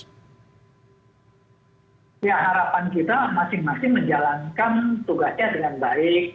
ya harapan kita masing masing menjalankan tugasnya dengan baik